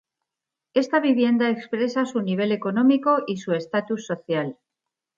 Esta vivienda expresa su nivel económico y su estatus social.